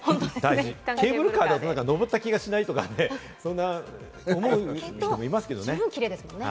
ケーブルカーだと登った気がしないとかね、そういう人もいますけれどもね。